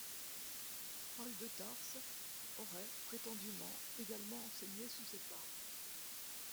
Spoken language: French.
Paul de Tarse aurait, prétendument, également enseigné sous cet arbre.